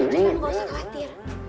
jangan nggak usah khawatir